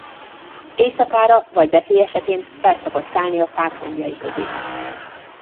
Éjszakára vagy veszély esetén fel szokott szállni a fák lombjai közé.